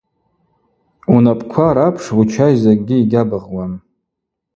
Унапӏхква рапш учажь закӏгьи йгьабыгъуам.